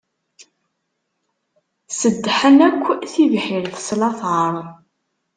Ṣeddḥen akk tibḥirt s later.